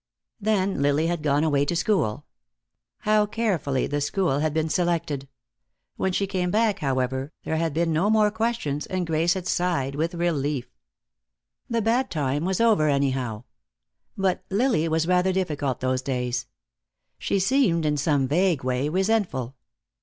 Then Lily had gone away to school. How carefully the school had been selected! When she came back, however, there had been no more questions, and Grace had sighed with relief. That bad time was over, anyhow. But Lily was rather difficult those days. She seemed, in some vague way, resentful.